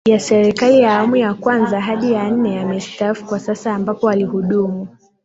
ya serikali ya awamu ya kwanza hadi ya nne amestaafu kwa sasa ambapo alihudumu